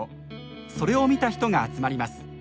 それを見た人が集まります。